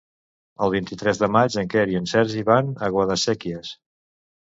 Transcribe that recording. El vint-i-tres de maig en Quer i en Sergi van a Guadasséquies.